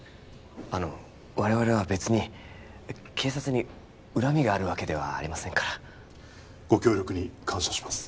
あの我々は別に警察に恨みがあるわけではありませんからご協力に感謝します